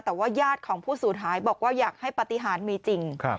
แต่ว่าญาติของผู้สูญหายบอกว่าอยากให้ปฏิหารมีจริง